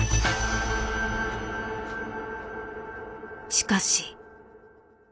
しかし。